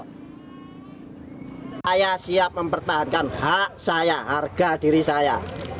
saya siap mempertahankan hak saya harga diri saya